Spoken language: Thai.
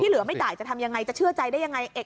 เหลือไม่จ่ายจะทำยังไงจะเชื่อใจได้ยังไง